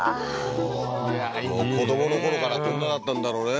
もうもう子どものころからこんなだったんだろうね